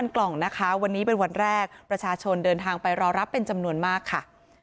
กล่องนะคะวันนี้เป็นวันแรกประชาชนเดินทางไปรอรับเป็นจำนวนมากค่ะ